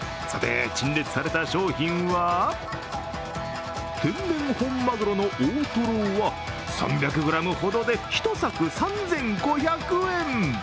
さて、陳列された商品は天然本まぐろの大トロは３００ｇほどで１柵３５００円。